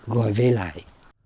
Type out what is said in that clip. gọi về lại